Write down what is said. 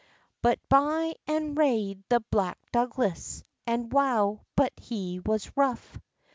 But by and rade the Black Douglas, And wow but he was rough!